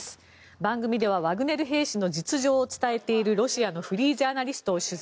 番組ではワグネル兵士の実情を伝えているロシアのフリージャーナリストを取材。